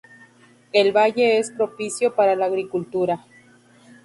El valle es propicio para la agricultura.